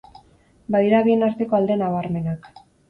Badira bien arteko alde nabarmenak.